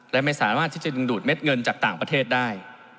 และไม่สามารถที่จะดึงดูดเม็ดเงินจากต่างประเทศได้